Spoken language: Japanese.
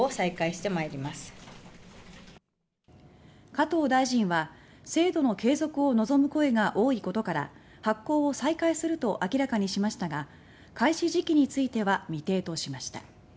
加藤大臣は制度の継続を望む声が多いことから発行を再開すると明らかにしましたが開始時期については未定としました。